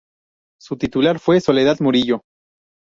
Su titular fue Soledad Murillo.